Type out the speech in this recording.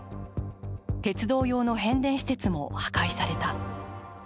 鉄道用の変電施設も破壊された。